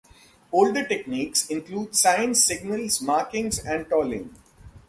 Older techniques include signs, signals, markings, and tolling.